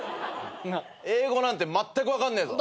英語なんてまったく分かんねえぞ。